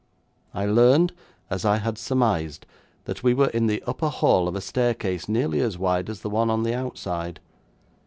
I learned, as I had surmised, that we were in the upper hall of a staircase nearly as wide as the one on the outside.